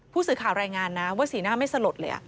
ผู้สื่อข่าวรายงานนะว่าสีหน้าไม่สลดเลย